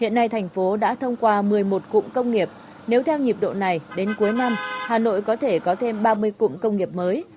hiện nay thành phố đã thông qua một mươi một cụm công nghiệp nếu theo nhịp độ này đến cuối năm hà nội có thể có thêm ba mươi cụm công nghiệp mới